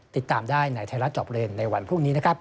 ติดตามได้ในไทยรัฐจอบเลนในวันพรุ่งนี้นะครับ